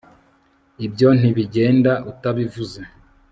ibyo ntibigenda utabivuze